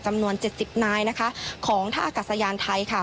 จำนวน๗๐นายนะคะของท่าอากาศยานไทยค่ะ